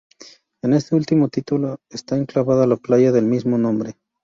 En este último está enclavada la playa del mismo nombre.